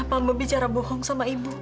mbak kenapa mbak bicara bohong sama ibu